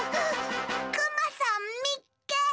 クマさんみっけ！